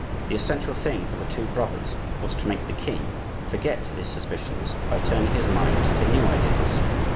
The essential thing for the two brothers was to make the king forget his suspicions by turning his mind to new ideas.